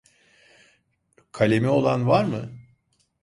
Kalemi olan var mı?